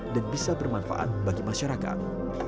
dan bisa bermanfaat bagi masyarakat